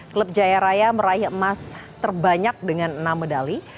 klub jaya raya meraih emas terbanyak dengan enam medali